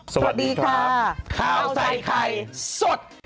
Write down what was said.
สวัสดีครับข้าวใส่ไข่สด